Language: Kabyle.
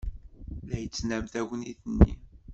La yettnam tagnit-nni.